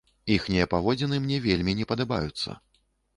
Іхнія паводзіны мне вельмі не падабаюцца.